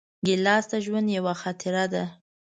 ګیلاس د ژوند یوه خاطره ده.